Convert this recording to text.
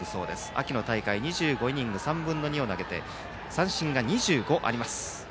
秋の大会２５イニング３分の２を投げて三振が２５あります。